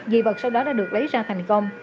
dị vật sau đó đã được lấy ra thành công